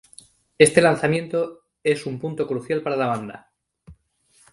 Este lanzamiento es un punto crucial para la banda.